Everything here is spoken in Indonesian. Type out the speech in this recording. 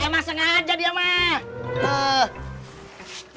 emang sengaja dia mah